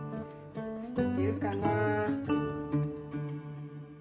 出るかな？